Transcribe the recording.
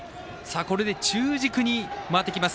これで中軸に回ってきます。